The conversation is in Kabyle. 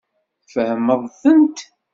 Tfehmeḍ-tent?